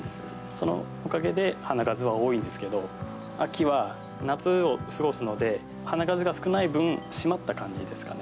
そのおかげで花数は多いんですけど秋は夏を過ごすので花数が少ない分締まった感じですかね。